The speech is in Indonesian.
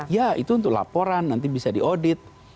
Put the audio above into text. ya itu untuk laporan nanti bisa di audit